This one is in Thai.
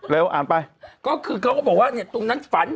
แล้วอ่านไปก็คือเขาก็บอกว่าเนี่ยตรงนั้นฝัน